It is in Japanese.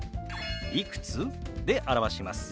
「いくつ？」で表します。